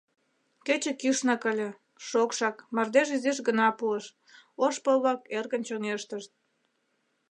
Кече кӱшнак ыле, шокшак, мардеж изиш гына пуыш, ош пыл-влак эркын чоҥештышт.